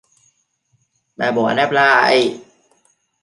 Bà bỏ đáp lại